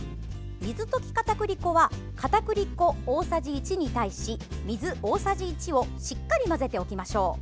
水溶きかたくり粉はかたくり粉、大さじ１に対し水、大さじ１をしっかり混ぜておきましょう。